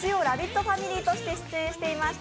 ファミリーとして出演していました